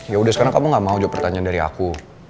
yaudah sekarang kamu gak mau jawab pertanyaan dari aku